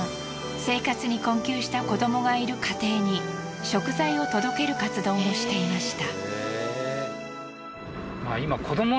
生活に困窮した子どもがいる家庭に食材を届ける活動もしていました。